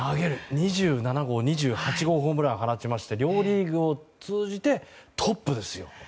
２７号、２８号ホームラン放ちまして両リーグを通じてトップですよ！